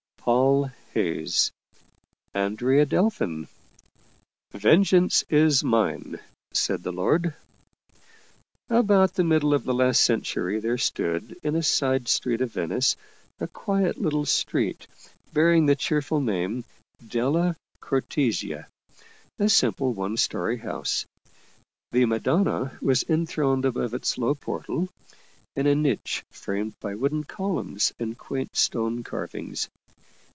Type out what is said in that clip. Paul Heyse Andrea Del/in "Vengeance is mine, said the Lord" ABOUT the middle of the last century there stood, in a side street of Venice, a quiet little street bearing the cheerful name " Delia Cortesia," a simple one story house. The Madonna was enthroned above its low portal, in a niche framed by wooden columns and quaint stone carvings.